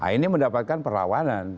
ini mendapatkan perlawanan